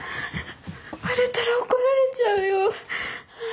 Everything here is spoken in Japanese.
割れたら怒られちゃうよ。